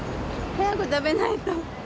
早く食べないと。